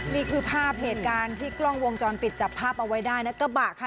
นี่คือภาพเหตุการณ์ที่กล้องวงจรปิดจับภาพเอาไว้ได้นะกระบะค่ะ